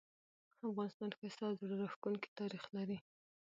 افغانستان ښایسته او زړه راښکونکې تاریخ لري